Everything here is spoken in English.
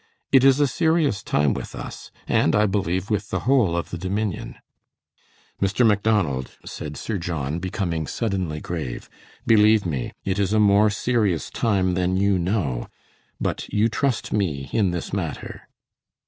It is a serious time with us, and I believe with the whole of the Dominion." "Mr. Macdonald," said Sir John, becoming suddenly grave, "believe me, it is a more serious time than you know, but you trust me in this matter."